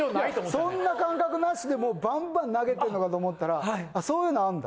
そんな感覚なしでバンバン投げてるのかと思ったらそういうのあんだ？